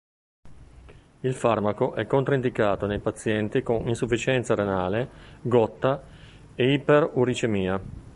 Il farmaco è controindicato nei pazienti con insufficienza renale, gotta e iperuricemia.